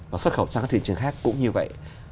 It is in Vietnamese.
và xuất khẩu sang các thị trường khác cũng như vậy